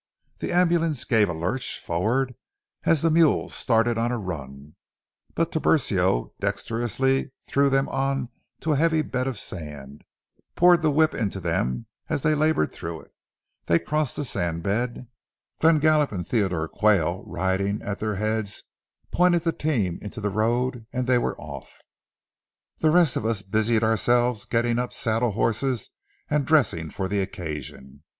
The ambulance gave a lurch, forward, as the mules started on a run, but Tiburcio dexterously threw them on to a heavy bed of sand, poured the whip into them as they labored through it; they crossed the sand bed, Glenn Gallup and Theodore Quayle, riding, at their heads, pointed the team into the road, and they were off. The rest of us busied ourselves getting up saddle horses and dressing for the occasion.